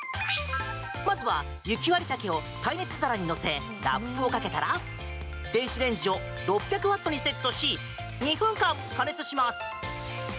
まずは、雪割茸を耐熱皿に乗せラップをかけたら電子レンジを６００ワットにセットし２分間加熱します。